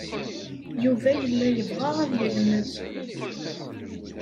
Yuba yella yebɣa ad yelmed.